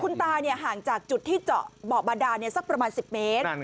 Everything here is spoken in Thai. คุณตาห่างจากจุดที่เจาะเบาะบาดานสักประมาณ๑๐เมตร